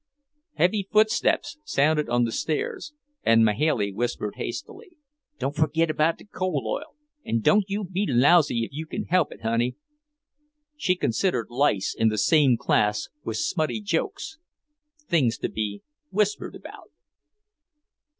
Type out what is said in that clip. Heavy footsteps sounded on the stairs, and Mahailey whispered hastily, "Don't forgit about the coal oil, and don't you be lousy if you can help it, honey." She considered lice in the same class with smutty jokes, things to be whispered about.